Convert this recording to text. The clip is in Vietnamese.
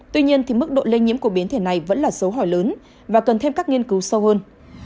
tuy nhiên mức độ lây nhiễm của biến thể này vẫn là dấu hỏi lớn và cần thêm các nghiên cứu sâu hơn